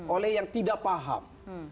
oleh yang tidak paham